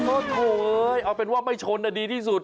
โอ้โหเอาเป็นว่าไม่ชนดีที่สุด